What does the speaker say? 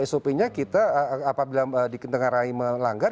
sop nya kita apabila dikendengarai melanggar